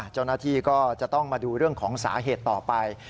เจ้าหน้าที่ก็จะต้องมาดูเรื่องของสาเหตุต่อไป